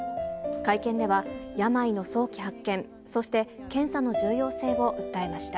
会見では、病の早期発見、そして検査の重要性を訴えました。